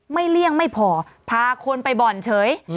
เลี่ยงไม่พอพาคนไปบ่อนเฉย